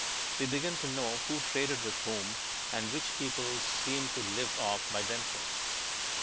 We begin to know who traded with whom, and which peoples seemed to live off by themselves.